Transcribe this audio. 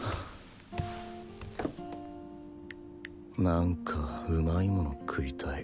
何か旨いもの食いたい。